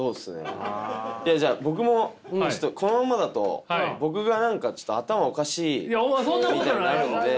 じゃあ僕もちょっとこのままだと僕が何か頭おかしいみたいになるので。